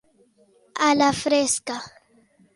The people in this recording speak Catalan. A la fresca.